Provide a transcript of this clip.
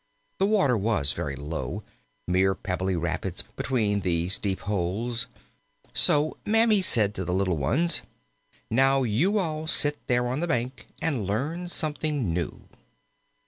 The water was very low, mere pebbly rapids between these deep holes, so Mammy said to the little ones: "Now you all sit there on the bank and learn something new."